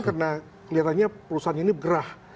karena kelihatannya perusahaan ini bergerak